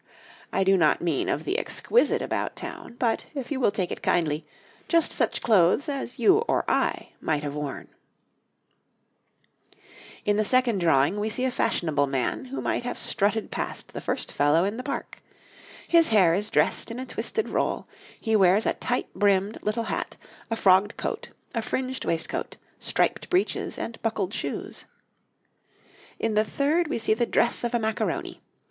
I do not mean of the exquisite about town, but, if you will take it kindly, just such clothes as you or I might have worn. [Illustration: {Eleven types of head dress for women; three types of shoe}] In the second drawing we see a fashionable man, who might have strutted past the first fellow in the Park. His hair is dressed in a twisted roll; he wears a tight brimmed little hat, a frogged coat, a fringed waistcoat, striped breeches, and buckled shoes. In the third we see the dress of a Macaroni.